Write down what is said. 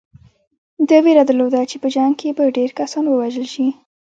ده وېره درلوده چې په جنګ کې به ډېر کسان ووژل شي.